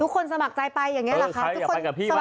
ทุกคนสมัครใจไปอย่างนี้หรอคะ